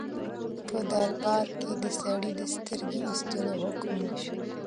په دربار کې د سړي د سترګې د ایستلو حکم وشو.